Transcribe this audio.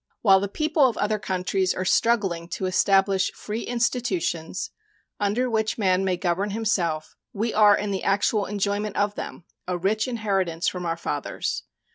While the people of other countries are struggling to establish free institutions, under which man may govern himself, we are in the actual enjoyment of them a rich inheritance from our fathers.